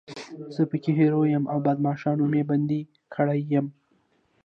زه پکې هیرو یم او بدماشانو مې بندي کړی یم.